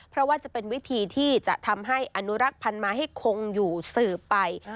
เพราะว่าจะเป็นวิธีที่จะทำให้อนุรักษ์พันธ์มาให้คงอยู่สืบไป